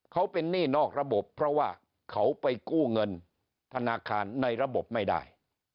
เขาเป็นหนี้นอกระบบเพราะว่าเขาไปกู้เงินธนาคารในระบบไม่ได้